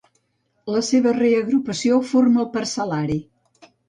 La seva reagrupació forma el parcel·lari.